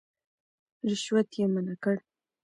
رشوت يې منع کړ.